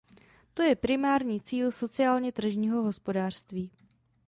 To je primární cíl sociálně tržního hospodářství.